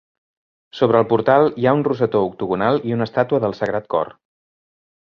Sobre el portal hi ha un rosetó octogonal i una estàtua del Sagrat Cor.